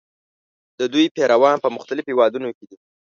د دوی پیروان په مختلفو هېوادونو کې دي.